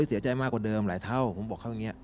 เสียใจมากกว่าเดิมหลายเท่าผมบอกเขาอย่างนี้